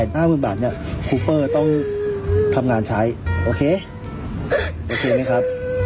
เห็นมั้ยครับ